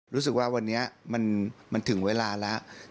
รู้สึกว่าวันนี้มันถึงเวลาแล้ว